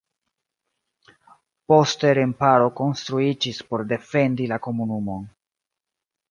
Poste remparo konstruiĝis por defendi la komunumon.